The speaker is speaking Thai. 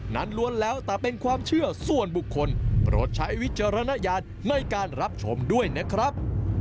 ล้วนแล้วแต่เป็นความเชื่อส่วนบุคคลโปรดใช้วิจารณญาณในการรับชมด้วยนะครับ